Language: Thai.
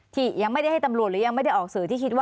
ที่ยังไม่ได้ให้ตำรวจ